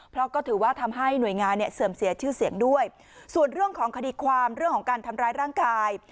เพราะก็ถือว่าทำให้หน่วยงานเนี่ยเสื่อมเสียชื่อเสียงด้วยส่วนเรื่องของคดีความเรื่องของการทำร้ายร่างกาย